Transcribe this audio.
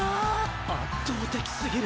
圧倒的すぎる！